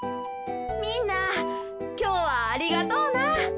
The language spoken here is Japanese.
みんなきょうはありがとうな。